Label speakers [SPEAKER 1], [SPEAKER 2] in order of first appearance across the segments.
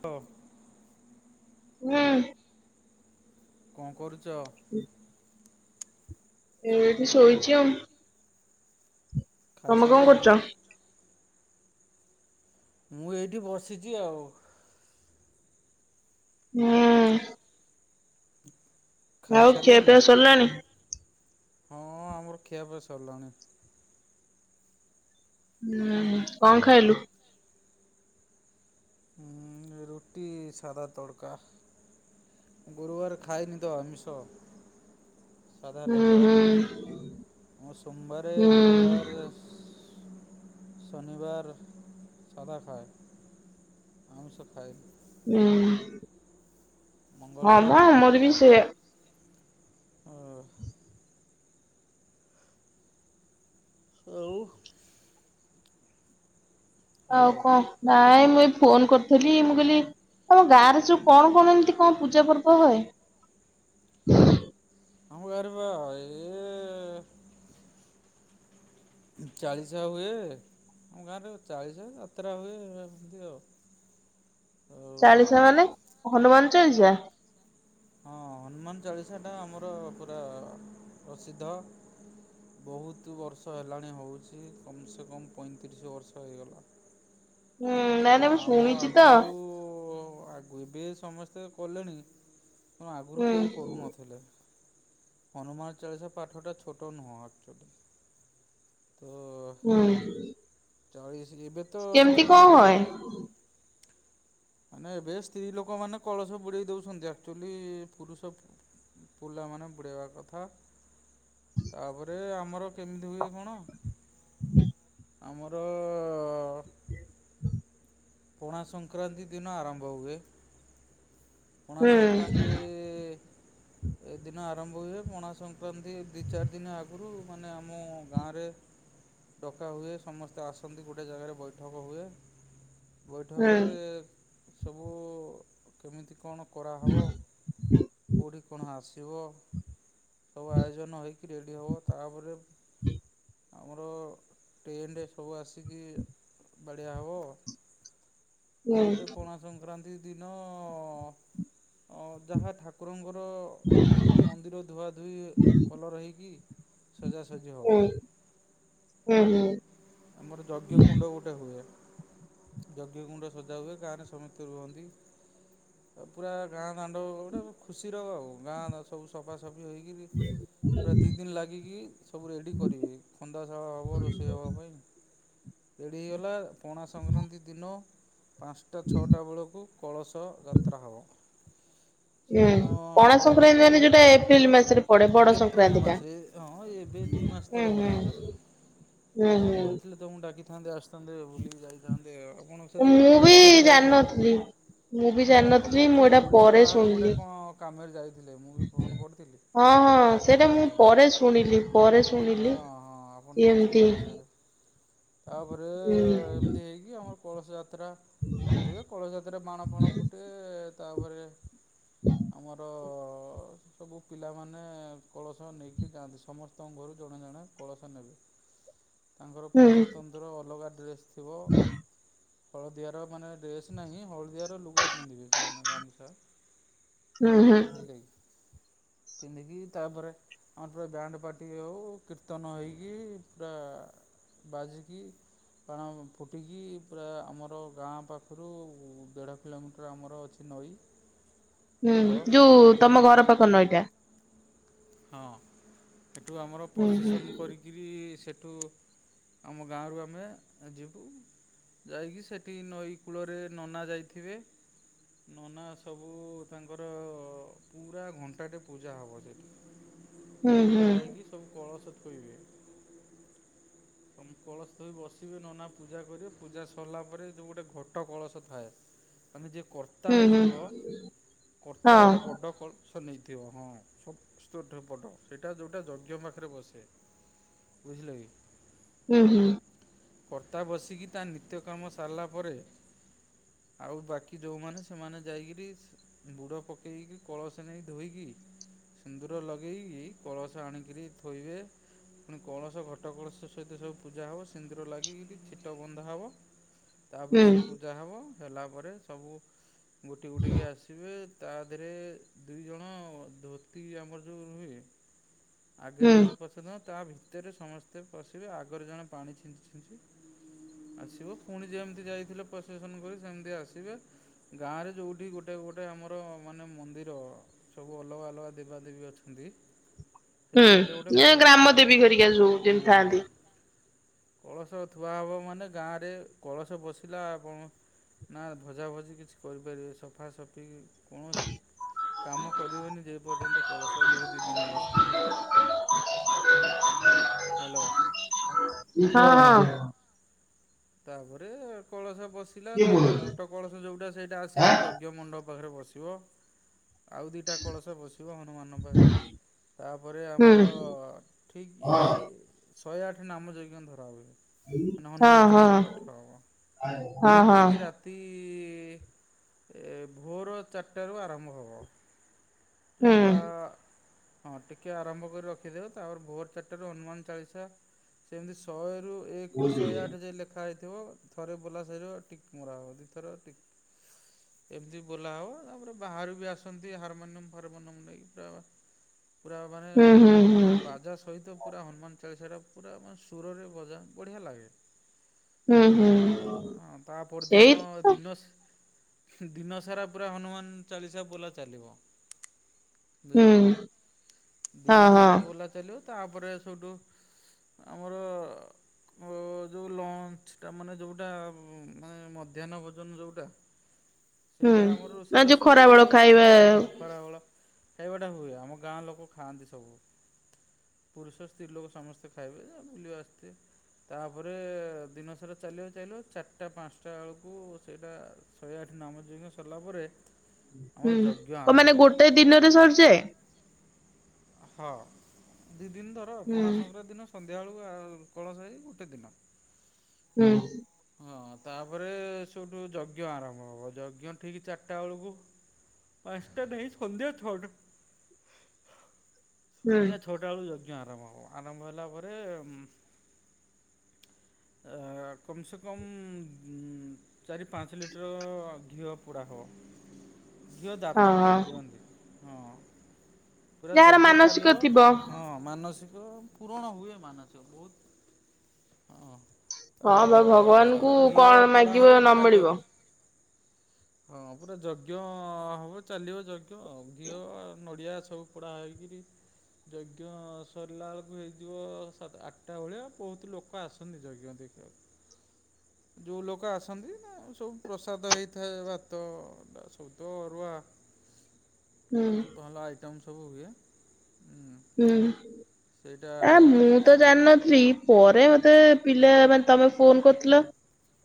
[SPEAKER 1] Hello.
[SPEAKER 2] ହୁଁ।
[SPEAKER 1] କଣ କରୁଛ?
[SPEAKER 2] ହୁଁ। ଏ ଏଇଠି ଶୋଇଛି ଆଉ। ତମେ କଣ
[SPEAKER 1] ଖାଇସାରିଲଣି?
[SPEAKER 2] କରୁଛ?
[SPEAKER 1] ମୁଁ ଏଇଠି ବସିଛି ଆଉ। ଖା
[SPEAKER 2] ହୁଁ ଆଉ ଖିଆ
[SPEAKER 1] ଖାଇସାରିଲଣି?
[SPEAKER 2] ପିଆ ସରିଲାଣି?
[SPEAKER 1] ହଁ ଆମର ଖିଆପିଆ ସରିଲାଣି।
[SPEAKER 2] ହୁଁ କଣ ଖାଇଲୁ?
[SPEAKER 1] ଉନ୍ ରୁଟି, ସାଧା ତଡ଼କା। ଗୁରୁବାର ଖାଏନିିତ ଆମିଷ। ସାଧା
[SPEAKER 2] ହୁଁ
[SPEAKER 1] ଲୋକ
[SPEAKER 2] ହୁଁ
[SPEAKER 1] ମୁଁ ସୋମବାର,
[SPEAKER 2] ହୁଁ
[SPEAKER 1] ଗୁରୁବାର ଶନିବାର ସାଧା ଖାଏ। ଆମଷ ଖାଏନି।
[SPEAKER 2] ହୁଁ ହଁ
[SPEAKER 1] ମଙ୍ଗଳବାର
[SPEAKER 2] ପା ଆମର ବି ସେୟା।
[SPEAKER 1] ହଁ। ଆଉ
[SPEAKER 2] ଆଉ
[SPEAKER 1] ହ୍ୟାଲୋ
[SPEAKER 2] କଣ ନାଇଁ ମୁଁ ଏଇ ଫୋନ କରିଥିଲି ମୁଁ କହିଲି ତମ ଗାଁ ରେ ସବୁ କଣ କଣ ଏମିତି କଣ ପୂଜା ପର୍ବ ହୁଏ?
[SPEAKER 1] ଆମ ଗାଁରେ ବା ଏ ଚାଳିଶା ହୁଏ ଆମ ଗାଁରେ ଚାଳିଶା ଯାତ୍ରା ହୁଏ ଏମିତି ଆଉ। ହଁ।
[SPEAKER 2] ଚାଳିଶା ମାନେ ହନୁମାନ ଚାଳିଶା?
[SPEAKER 1] ହଁ ହନୁମାନ ଚାଳିଶାଟା ଆମର ପୁରା ପ୍ରସିଦ୍ଧ। ବହୁତ ବର୍ଷ ହେଲାଣି ହେଉଛି କମ ସେ କମ ପଇଁତିରିଶ ବର୍ଷ ହେଇଗଲା।
[SPEAKER 2] ହୁଁ
[SPEAKER 1] ତ
[SPEAKER 2] ନାଇଁ ନାଇଁ ମୁଁ
[SPEAKER 1] ଆମ
[SPEAKER 2] ଶୁଣିଛି ତ।
[SPEAKER 1] ଆଗରୁ ଆଗରୁବି ଏବେ ସମସ୍ତେ କଲେଣି। ମୋ ଆଗରୁ
[SPEAKER 2] ହୁଁ
[SPEAKER 1] କେହି କରୁନଥିଲେ। ହନୁମାନ ଚାଳିସା ପାଠଟା ଛୋଟ ନୁହଁ ଅ ଚଦ ତ
[SPEAKER 2] ହୁଁ
[SPEAKER 1] ଚାଳିଶ ଏବେ ତ
[SPEAKER 2] କେମିତି
[SPEAKER 1] ସ୍ତ୍ରୀ
[SPEAKER 2] କଣ ହୁଏ?
[SPEAKER 1] ଲୋକମାନେ ମାନେ ଏବେ ସ୍ତ୍ରୀ ଲୋକମାନେ କଳସ ବୁଡେଇ ଦେଉଛନ୍ତି ଆକ୍ଚୁ ଲି ପୁରୁଷ ପିଲାମାନେ ବୁଡ଼େଇବା କଥା। ତାପରେ ଆମର କେମିତି ହୁଏ କଣ?
[SPEAKER 2] ହୁ।
[SPEAKER 1] ଆମର ପଣା ସଂକ୍ରାନ୍ତି ଦିନ ଆରମ୍ଭ ହୁଏ। ପଣା
[SPEAKER 2] ହୁଁ।
[SPEAKER 1] ସଂକ୍ରାନ୍ତି ଏ ଦିନ ଆରମ୍ଭ ହୁଏ ପଣା ସଂକ୍ରାନ୍ତି ଦିଇ ଚାରି ଦିନ ଆଗରୁ ମାନେ ଆମ ଗାଁରେ ଡକା ହୁଏ ସମସ୍ତେ ଆସନ୍ତି ଗୋଟିଏ ଜାଗାରେ ବୈଠକ ହୁଏ।
[SPEAKER 2] ହୁଁ
[SPEAKER 1] ବୈଠକରେ ସବୁ କେମିତି କଣ? କରାହେବ। କେଉଁଠି କଣ ଆସିବ ସବୁ ଆୟୋଜନ ହୋଇକିରି ରେଡ଼ି ହେବ ତାପରେ ଆମର ଟେଣ୍ଡ ସବୁ ଆସିକି ବାଡ଼ିଆ ହବ
[SPEAKER 2] ହୁଁ
[SPEAKER 1] ତାପରେ ପଣା ସଂକ୍ରାନ୍ତି ଦିନ ଯାହା ଠାକୁରଙ୍କର
[SPEAKER 2] [unintelligible]
[SPEAKER 1] ମନ୍ଦିର ଧୁଆଧୁଇ କଲର ହେଇକି ସଜାସଜି ହବ।
[SPEAKER 2] ହୁଁ ହୁଁ ହୁଁ।
[SPEAKER 1] ଆମର ଯଜ୍ଞ କୁଣ୍ଡ ଗୋଟେ ହୁଏ। ଯଜ୍ଞ କୁଣ୍ଡ ସଜା ହୁଏ ଗାଁରେ ସମେସ୍ତ ରୁହନ୍ତି। ଆ ପୁରା ଗାଁ ଦାଣ୍ଡ ଗୋଟେ ଖୁସିର ଆଉ ଗାଁ ସବୁ ସଫା କରିକିନି ବି ପୁରା ଦି ଦିନ ଲାଗି କିି ସବୁ ରେଡ଼ି କରିବି ଖନ୍ଦାଶାଳ ହେବ ରୋଷେଇ ହେବା ପାଇଁ ରେଡ଼ି ହେଇଗଲା। ପଣା ସଂକ୍ରାନ୍ତି ଦିନ ପାଞ୍ଚଟା ଛଅଟା ବେଳକୁ କଳସ ଯାତ୍ରା ହେବ।
[SPEAKER 2] ହୁଁ
[SPEAKER 1] ସେଦିନ
[SPEAKER 2] ପଣା
[SPEAKER 1] ଆମର
[SPEAKER 2] ସଂକ୍ରାନ୍ତି ମାନେ ଯୋଉଟା ଏପ୍ରିଲ ମାସରେ ପଡେ ବଡ
[SPEAKER 1] ଏପ୍ରିଲ
[SPEAKER 2] ସଂକ୍ରାନ୍ତି ଟା।
[SPEAKER 1] ମାସରେ ହଁ ଏବେ ଦୁଇ ମାସ
[SPEAKER 2] ହୁଁ
[SPEAKER 1] ତଳେ
[SPEAKER 2] ହୁଁ
[SPEAKER 1] ଗଲା ଆମର
[SPEAKER 2] ହୁଁ
[SPEAKER 1] ଆପଣ
[SPEAKER 2] ହୁଁ
[SPEAKER 1] କହିଥିଲେ ତ ମୁଁ ଡାକିଥାନ୍ତି ଆସିଥାନ୍ତେ ବୁଲିକି ଯାଇଥାନ୍ତେ ଆପଣ ସେତେବେଳେ
[SPEAKER 2] ମୁଁ
[SPEAKER 1] କୁଆଡେ
[SPEAKER 2] ବି
[SPEAKER 1] ବାହାରୁକୁ ଯାଇଥିଲେ।
[SPEAKER 2] ଜାଣିନଥିଲି। ମୁଁ ବି
[SPEAKER 1] ନାଁ ଆପଣ
[SPEAKER 2] ଜାଣିନଥିଲି ମୁଁ
[SPEAKER 1] ନଥିଲେ
[SPEAKER 2] ଏଇଟା
[SPEAKER 1] ଓଡ଼ିଶା
[SPEAKER 2] ପରେ
[SPEAKER 1] ବାହାରୁ ଗୋଟେ
[SPEAKER 2] ଶୁଣିଲି।
[SPEAKER 1] କଣ କାମରେ ଯାଇଥିଲେ ମୁଁ ବି ଫୋନ୍ କରିଥିଲି।
[SPEAKER 2] ହଁ ହଁ ସେଇଟା ମୁଁ
[SPEAKER 1] ଡାକିଥାନ୍ତି
[SPEAKER 2] ପରେ ଶୁଣିଲି ପରେ ଶୁଣିଲି
[SPEAKER 1] ହଁ ହଁ ଆପଣ ନଥିଲେ
[SPEAKER 2] ଏମିତି
[SPEAKER 1] ଓଡିଶାରେ। ତାପରେ
[SPEAKER 2] ହୁଁ
[SPEAKER 1] ଏମିତି ହେଇକି ହ କଳସଯାତ୍ରା ହୁଏ କଳସଯାତ୍ରାରେ ବାଣ ଫାଣ ଫୁଟେ ତାପରେ ଆମର ସବୁ ପିଲାମାନେ କଳସ ନେଇକି ଯାଆନ୍ତି ସମସ୍ତଙ୍କ ଘରୁ ଜଣେ ଜଣେ କଳସ ନେବେ। ତାଙ୍କର
[SPEAKER 2] ହୁଁ
[SPEAKER 1] ପୁରା ସ୍ଵତନ୍ତ୍ର ର ଅଲଗା ଡ୍ରେସ ଥିବ ହଳଦିଆ ର ମାନେ ଡ୍ରେସ ନାହିଁ ହଳଦୀଆ ର ଲୁଗା ପିନ୍ଧିଥିବେ ଗାମୁଛା
[SPEAKER 2] ହୁଁ ହୁଁ
[SPEAKER 1] ବୁଝିଲେ କି? ପିନ୍ଧିକି ତାପରେ ଆମର ପୁରା ବ୍ୟାଣ୍ଡ ପାର୍ଟି ହେଉ କୀର୍ତ୍ତନ ହୋଇକି ପୁରା ବାଜିକି ବାଣ ଫୁଟିକି ପୁରା ଆମର ଗାଁ ପାଖରୁ ଦେଢ଼ କିଲୋମିଟର ଆମର ଅଛି ନଈ।
[SPEAKER 2] ହୁଁ
[SPEAKER 1] ପୋଲ
[SPEAKER 2] ଯୋଉ
[SPEAKER 1] ସେଠି
[SPEAKER 2] ତମ ଘର ପାଖ ନଈ ଟା।
[SPEAKER 1] ହଁ ସେଠୁ ଆମର
[SPEAKER 2] ହୁଁ ହୁଁ
[SPEAKER 1] ପ୍ରସେସନ୍ କରିକରି ସେଠୁ ଆମ ଗାଁରୁ ଆମେ ଏ ଯିବୁ। ଯାଇକି ସେଠି ନଈ କୂଳରେ ନନା ଯାଇଥିବେ। ନନା ସବୁ ତାଙ୍କର ପୁରା ଘଣ୍ଟାଟେ ପୂଜା ହେବ ସେଠି।
[SPEAKER 2] ହୁଁ ହୁଁ
[SPEAKER 1] ପୂଜା ହେଇକି ସବୁ କଳସ ଥଇବେ। ଅମ୍ କଳସ ଧରୀ ବସିବେ ନନା ପୂଜା କରିବେ ପୂଜା ସରିଲା ପରେ ଯୋଉଗୋଟେ ଘଟ କଳସ ଥାଏ। ମାନେ ଯିଏ କର୍ତ୍ତା
[SPEAKER 2] ହୁଁ ହୁଁ
[SPEAKER 1] ହେଇଥିବ କର୍ତ୍ତା
[SPEAKER 2] ହଁ
[SPEAKER 1] ଗୋଟେ ବଡ଼ କଳସ ନେଇଥିବା ହଁ। ତୋ ଠୁ ବଡ଼ ସେଇଟା ଯୋଉଟା ଯଜ୍ଞ ପାଖରେ ବସେ ବୁଝିଲ କି?
[SPEAKER 2] ହୁଁ ହୁଁ।
[SPEAKER 1] କର୍ତ୍ତା ବସିକି ତା ନିତ୍ୟ କର୍ମ ସାରିଲା ପରେ ଆଉ ବାକି ଯୋଉମାନେ ସେମାନେ ଯାଇକିରି ସି ବୁଡ଼ ପକେଇକି କଳସ ନେଇ ଧୋଇକି ସିନ୍ଦୁର ଲଗେଇକି କଳସ ଆଣିକିରି ଥୋଇବେ। ପୁଣି କଳସ ଘଟ କଳସ ସହିତ ସବୁ ପୂଜା ହବ ସିନ୍ଦିୁର ଲାଗିକିରି ଛିଟ ବନ୍ଧା ହେବ। ତାପରେ
[SPEAKER 2] ହୁଁ
[SPEAKER 1] ସେପୂଜା ହବ ହେଲା ପରେ ସବୁ ଗୋଟି ଗୋଟିକି ଆସିବେ ତା ଧିରେ ଦୁଇ ଜଣ ଧୋତି ଆମର ଯୋଉ ନୁହେଁକି? ଆଗରେ
[SPEAKER 2] ହୁଁ
[SPEAKER 1] ଜଣେ ପଛରେ ଜଣେ ତା ଭିତରେ ସମସ୍ତେ ପଶିବେ, ଆଗରେ ଜଣେ ପାଣି ଛିଞ୍ଚି ଛିଞ୍ଚି ଆସିବ ପୁଣି ଯେମିତି ଯାଇଥିଲ ପ୍ରଶେଷନ କରି ସେମିତି ଆସିବେ। ଗାଁ ରେ ଯୋଉଠି ଗୋଟେ ଗୋଟେ ଆମର ମାନେ ମନ୍ଦିର ସବୁ ଅଲଗା ଅଲଗା ଦେବାଦେବୀ ଅଛନ୍ତି।
[SPEAKER 2] ହୁଁ
[SPEAKER 1] ସେଠି ଗୋଟେ ଗୋଟେ
[SPEAKER 2] ଏ
[SPEAKER 1] କଳସ ଥୁଆ
[SPEAKER 2] ଗ୍ରାମ
[SPEAKER 1] ହବ।
[SPEAKER 2] ଦେବୀ ଘରିକା ଯୋ
[SPEAKER 1] ହୁଁ
[SPEAKER 2] ଯେମିତି
[SPEAKER 1] ହୁଁ।
[SPEAKER 2] ଥାନ୍ତି।
[SPEAKER 1] କଳସ ଥୁଆ ହବ ମାନେ ଗାଁରେ କଳସ ବସିଲା ବଣ ନାଁ ଭଜାଭଜି କିଛି କରିପାରିବେ ସଫାସଫି କୌଣସି କାମ କରିବେନି ଯେ ଯେପର୍ଯ୍ୟନ୍ତ କଳସ ଯୋଉ ଦିଇ ଦିନି ବସିଥିବ ହ୍ୟାଲୋ?
[SPEAKER 2] ହଁ ହଁ।
[SPEAKER 1] ତାପରେ କଳସ ବସିଲା ତାପରେ ଘ ଛୋଟ କଳସ ଯୋଉଟା ସେଇଟା ଆସି ଆମ ଯଜ୍ଞ ମଣ୍ଡପ ପାଖରେ ବସିବ। ଆଉ ଦିଇଟା କଳସ ବସିବ ହନୁମାନ ପାଖରେ। ତାପରେ
[SPEAKER 2] ହୁଁ
[SPEAKER 1] ଆମର ଠିକି ଶହେ ଆଠେ ନାମ ଯଜ୍ଞ ଧରା ହୁଏ। ମାନେ
[SPEAKER 2] [unintelligible]
[SPEAKER 1] ହନୁମାନ
[SPEAKER 2] ହଁ
[SPEAKER 1] ଚାଳିଶା
[SPEAKER 2] ହଁ
[SPEAKER 1] ପାଠ
[SPEAKER 2] [unintelligible] ହଁ ହଁ।
[SPEAKER 1] ତି ଏ ଭୋର ଚାରିଟାରୁ ଆରମ୍ଭ ହେବ। ଜଷ୍ଟା
[SPEAKER 2] ହୁଁ
[SPEAKER 1] ହଁ ଟିକିଏ ଆରମ୍ଭ କରି ରଖିଦେବେ ତାପରେ ଭୋର ଚାରିଟାରୁ ହନୁମାନ ଚାଳିଶା ଯେମିତି ଶହେରୁ ଏକରୁ ଶହେ ଆଠ ଯାଏ ଲେଖାହେଇଥିବ ଥରେ ବୋଲାସରିବ ଟିକ୍ ମରା ହେବ ଦିଥର ଟିକ୍। ଏମିତି ବୋଲା ହବ ତାପରେ ବାହାରୁ ବି ଆସନ୍ତି ହାରମୋନିୟମ୍। ହାରମୋନିୟମ ନେଇକି ପୁରା ପୁରା ମାନେ
[SPEAKER 2] ହୁଁ ହୁଁ
[SPEAKER 1] ବାଜା ସହିତ ପୁରା ହନୁମାନ ଚାଳିଶାଟା ପୁରା ମାନେ ସୁରରେ ବଜା ବଢ଼ିଆ ଲାଗେ।
[SPEAKER 2] ହୁଁ ହୁଁ
[SPEAKER 1] ଅଁ
[SPEAKER 2] ହୁଁ
[SPEAKER 1] ଅଁ ତା
[SPEAKER 2] ସେଇ
[SPEAKER 1] ପରଦିନ
[SPEAKER 2] ତ
[SPEAKER 1] ଦିନସ ଦିନସାରା ପୁରା ହନୁମାନ ଚାଳିଶା ବୋଲା ଚାଲିବ।
[SPEAKER 2] ହୁଁ
[SPEAKER 1] ବୁଝିଲେକି
[SPEAKER 2] ହଁ
[SPEAKER 1] ଦିନ
[SPEAKER 2] ହଁ
[SPEAKER 1] ସାରା ବୋଲା ଚାଲିବ ତାପରେ ସେଇଠୁ ଆମର ମୋ ଯୋଉ ଲଞ୍ଚ ଟା ମାନେ ଯୋଉଟା ମାନେ ମଧ୍ୟାହ୍ନ ଭୋଜନ ଯୋଉଟା?
[SPEAKER 2] ହୁଁ
[SPEAKER 1] ସେଇଟା ଆମର
[SPEAKER 2] ନା ଯୋଉ
[SPEAKER 1] ରୋଷେଇବାସ
[SPEAKER 2] ଖରା
[SPEAKER 1] ହୁଏ,
[SPEAKER 2] ବେଳ ଖାଇବା
[SPEAKER 1] ହଁ। ଖରାବଳ ଖାଇବାଟା ହୁଏ ଆମ ଗାଁ ଲୋକ ଖାଆନ୍ତି ସବୁ। ପୁରୁଷ ସ୍ତ୍ରୀ ଲୋକ ସମସ୍ତେ ଖାଇବେ ଯେ ବୁଲିବା ଆସିଥିବେ। ତାପରେ ଦିନସାରା ଚାଲିବ ଚାଲିବ ଚାରିଟା ପାଞ୍ଚଟା ବେଳକୁ ସେଇଟା ଶହେ ଆଠ ନାମ ଯଜ୍ଞ ସରିଲା ପରେ ଆମର
[SPEAKER 2] ହୁଁ
[SPEAKER 1] ଯଜ୍ଞ
[SPEAKER 2] କ
[SPEAKER 1] ଆରମ୍ଭ
[SPEAKER 2] ମାନେ
[SPEAKER 1] ହେବ
[SPEAKER 2] ଗୋଟେ ଦିନରେ ସରିଯାଏ?
[SPEAKER 1] ହଁ ଦି ଦିନି ଧର
[SPEAKER 2] ହୁଁ
[SPEAKER 1] ପଣା ସଂକ୍ରାନ୍ତିି ଦିନ ସନ୍ଧ୍ୟାବେଳୁକୁ ଆଉ ତଳସାହି ଗୋଟେ ଦିନ
[SPEAKER 2] ହୁଁ।
[SPEAKER 1] ହଁ ତାପରେ ସେଠୁ ଯଜ୍ଞ ଆରମ୍ଭ ହବ ଯଜ୍ଞ ଠିକି ଚାରିଟା ବେଳକୁ ପାଞ୍ଚଟା ନାଇଁ ସନ୍ଧ୍ୟା ଛଅ ଟା
[SPEAKER 2] ହୁଁ
[SPEAKER 1] ସନ୍ଧ୍ୟା ଛଅଟା ବେଳୁ ଯଜ୍ଞ ଆରମ୍ଭ ହବ, ଆରମ୍ଭ ହେଲା ପରେ ଆ କମ୍ ସେ କମ୍ ଚାରି, ପାଞ୍ଚ, ଲିଟର ଘିଅ ପୋଡ଼ା ହବ। ଘିଅ
[SPEAKER 2] ହଁ
[SPEAKER 1] ଦାତାମାନେ
[SPEAKER 2] ହଁ
[SPEAKER 1] ଦିଅନ୍ତି। ହଁ। ପୁରା
[SPEAKER 2] ଯାହାର
[SPEAKER 1] ଯଜ୍ଞ
[SPEAKER 2] ମାନସିକ
[SPEAKER 1] ଚାଲିବ
[SPEAKER 2] ଥିବ
[SPEAKER 1] ହଁ ମାନସିକ ପୂରଣ ହୁଏ ମାନସିକ ବହୁତ ହଁ ଅ
[SPEAKER 2] ହଁ ବା ଭଗବାନଙ୍କୁ
[SPEAKER 1] ଘିଅ
[SPEAKER 2] କଣ
[SPEAKER 1] ପୋଡା
[SPEAKER 2] ମାଗିବ
[SPEAKER 1] ହବ
[SPEAKER 2] ନ
[SPEAKER 1] ପୁରା ଜ
[SPEAKER 2] ମିଳିବ
[SPEAKER 1] ହଁ ପୁରା ଯଜ୍ଞ ହବ ଚାଲିବ ଯଜ୍ଞ ଆଉ ଘିଅ ନଡ଼ିଆ ସବୁ ପୋଡ଼ା ହେଇ କିରି ଯଜ୍ଞ ସରିଲା ବେଳକୁ ହେଇଯିବ ସାତ୍ ଆଠଟା ଭଳିଆ ବହୁତ ଲୋକ ଆସନ୍ତି ଯଜ୍ଞ ଦେଖ [unintelligible] ଯେଉଁ ଲୋକ ଆସନ୍ତି ନା ସବୁ ପ୍ରସାଦ ହେଇଥାଏ ଭାତ ଟା ସବୁ ତ ଅରୁଆ
[SPEAKER 2] ହୁଁ
[SPEAKER 1] ଭଲ ଆଇଟମ୍ ସବୁ ହୁଏ ଉୁଁ
[SPEAKER 2] ହୁଁ ଆ ମୁଁ ତ ଜାଣିନଥିଲି ପରେ ମତେ ପିଲା ମାନେ ତମେ ଫୋନ କରିଥିଲ,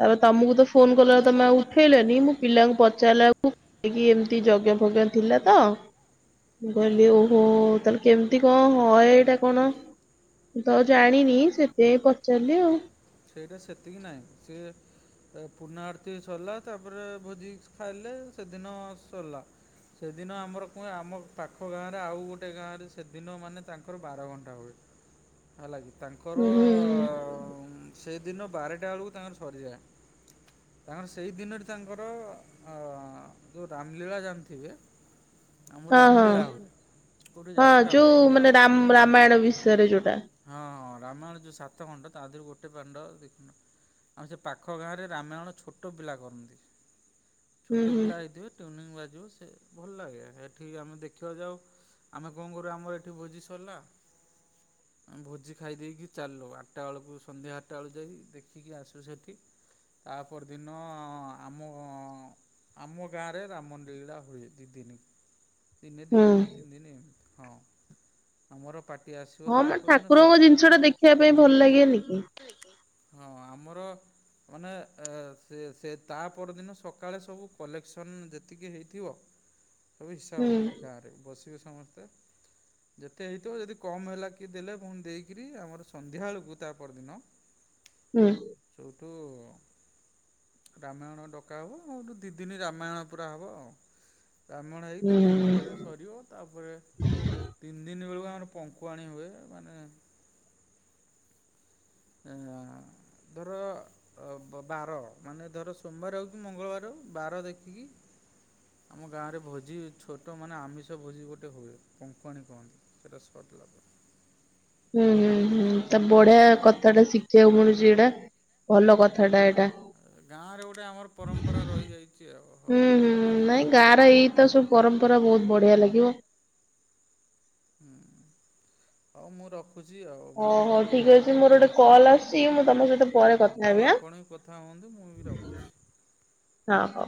[SPEAKER 2] ତାପରେ ତମକୁ ତ- ଫୋନ କଲାରୁ ତମେ ଆଉ ଉଠେଇଲନି ମୁଁ ପିଲାଙ୍କୁ ପଚାରିଲାକୁ [unintelligible] ଏମିତି ଯଜ୍ଞ ଫଜ୍ଞ ଥିଲା ତ ମୁଁ କହିଲି
[SPEAKER 1] ହଁ
[SPEAKER 2] ଓ ହୋ କେମିତି କଣ ହ ଏଇଟା କଣ ମୁଁ ତ ଆଉ ଜାଣିନି ସେଥିପାଇଁ ପଚାରିଲି ଆଉ।
[SPEAKER 1] ସେଇଟା ସେତିକି ନାହିଁ ସିଏ ପୁନା ଆରତି ସରିଲା ତାପରେ ଭୋଜି ଖାଇଲେ ସେଦିନ ସଲା। ସେଦିନ ଆମର କୁହେ ଆମ ପାଖ ଗାଁରେ ଆଉ ଗୋଟେ ଗାଁରେ ସେଦିନ ମାନେ ତାଙ୍କର ବାର ଘଣ୍ଟା ହୁଏ। ହେଲା କିି ତାଙ୍କର
[SPEAKER 2] ହୁଁ ହୁଁ ହୁଁ
[SPEAKER 1] ଉଁ, ସେଦିନ ବାରଟା ବେଳକୁ ତାଙ୍କର ସରିଯାଏ। ତାଙ୍କର ସେଇ ଦିନରେ ତାଙ୍କର ଅ ଯୋଉ ରାମଲୀଳା ଜାଣିଥିବେ ଆମର
[SPEAKER 2] ହଁ ହଁ।
[SPEAKER 1] ରାମଲୀଳା ହୁଏ କୋଉଠି
[SPEAKER 2] ହଁ
[SPEAKER 1] ଯାତ୍ରା
[SPEAKER 2] ଯୋଉ
[SPEAKER 1] ହୁଏ କିନ୍ତୁ
[SPEAKER 2] ମାନେ
[SPEAKER 1] ଆମ୍
[SPEAKER 2] ରାମ ରାମାୟଣ ବିଷୟରେ ଯୋଉଟା
[SPEAKER 1] ହଁ ହଁ ରାମାୟଣ ଯୋଉ ସାତ ଖଣ୍ଡ ତା ଦେହରେ ଗୋ ଟେ ଖଣ୍ଡ ଦେଖ ଆଉ ସେ ପାଖ ଗାଁରେ ରାମାୟଣ ଛୋଟ ପିଲା କରନ୍ତି।
[SPEAKER 2] ହୁଁ
[SPEAKER 1] ଛୋଟ
[SPEAKER 2] ହୁଁ
[SPEAKER 1] ପିଲା ହେଇଥିବେ ଟ୍ୟୁନିଂ ବାଜିବ ସେ ଭଲ ଲାଗେ ଏଠିକି ଆମେ ଦେଖିବାକୁ ଯାଉ। ଆମେ କଣ କରୁ ଆମର ଏଠି ଭୋଜି ସାରିଲା। ଆମ ଭୋଜି ଖାଇ ଦେଇକି ଚାଲୁ ଆଠଟା ବେଳକୁ ସନ୍ଧ୍ୟା ଆଟା ଲୁ ଯାଇକି ଦେଖିକି ଆସୁ ସେଠି ତାପର ଦିନ ଆମ ଆମ ଗାଁରେ ରାମ ଲୀଳା ହୁଏ ଦି ଦିନି। ଦିନେ ଦି
[SPEAKER 2] ହୁଁ।
[SPEAKER 1] ଦିନ ତିନି ଦିନ ଏଁ ହଁ ଆମର ପାଟି ଆସିବ ତା ପଦିନ ସ
[SPEAKER 2] ସେଟା ଦେଖିବା ପାଇଁ ଭଲ ଲାଗେନି କି?
[SPEAKER 1] ହଁ ଆମର ମାନେ ଏ ସେ ସେ ତା ପରଦିନ ସକାଳେ ସବୁ କଲେକ୍ସନ୍ ଯେତିକି ହେଇଥିବ ସବୁ
[SPEAKER 2] ହୁଁ
[SPEAKER 1] ହିସାବ ହୁଏ ଗାଁରେ ବସିବେ ସମସ୍ତେ। ଯେତେ ହେଇଥିବ ଯଦି କମ ହେଲା କିଏ ଦେଲେ ପୁଣି ଦେଇକିରି ଆମର ସନ୍ଧ୍ୟା ଅଳୁକୁ ତା ପରଦିନ
[SPEAKER 2] ହୁଁ।
[SPEAKER 1] ଚଉଠୁ ରାମାୟଣ ଡକା ହବ ହୁଟୁ ଦି ଦିନି ରାମାୟଣ ପୁରା ହବ। ରାମଣ ହେଇ ଦି ଦିନି
[SPEAKER 2] ହୁଁ।
[SPEAKER 1] ପରେ ସରିବ ତାପରେ ତିନି ଦିନ ବେଳୁ ଆମର ପଙ୍କୁଆଣି ହୁଏ ମାନେ ଏଁ ଆଁ ଧର ଅ ବ ବାର ମାନେ ଧର ସୋମବାରେ ହଉ କି ମଙ୍ଗଳବାରେ ହଉ ବାର ଦେଖିକି ଆମ ଗାଁରେ ଭୋଜି ଛୋଟ ମାନେ ଆମିଷ ଭୋଜି ଗୋଟେ ହୁଏ ପଙ୍କୁଆଣୀ କହନ୍ତି। ତେରସ୍ପଟ୍ ଲଗେ
[SPEAKER 2] ହୁଁ ହୁଁ ହୁଁ ତ ବଢ଼ିଆ କଥାଟା ଶିଖିବାକୁ ମିଳୁଚି ଏଇଟା ଭଲ କଥାଟା ଏଇଟା।
[SPEAKER 1] ଗାଁରେ ଗୋଟେ ଆମର ପରମ୍ପରା ରହିଯାଇଚି ଆ
[SPEAKER 2] ହୁଁ
[SPEAKER 1] ହଉ।
[SPEAKER 2] ହୁଁ ନାଇଁ ଗାଁର ଏଇ ତ ସବୁ ପରମ୍ପରା ଭୋଉତ୍ ବଢ଼ିଆ ଲାଗିବ।
[SPEAKER 1] ହୁଁ ହଉ ମୁଁ ର ଖୁଚି ଆଉ। ମୁଁ
[SPEAKER 2] ଓହୋ
[SPEAKER 1] କରିବି
[SPEAKER 2] ଠିକ୍
[SPEAKER 1] ଆଉ
[SPEAKER 2] ଅଛି ମୋର
[SPEAKER 1] କେତେବେଳେ
[SPEAKER 2] ଗୋଟେ କଲ୍ ଆସୁଚି ମୁଁ ତମ ସହିତ ପରେ କଥା ହେବି ଆଁ।
[SPEAKER 1] ଥା ହୁଅନ୍ତୁ ମୁଁ ବି ରଖୁଚି।
[SPEAKER 2] ହ ହଉ।